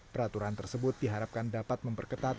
peraturan tersebut diharapkan dapat memperketat